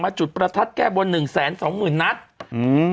จุดประทัดแก้บนหนึ่งแสนสองหมื่นนัดอืม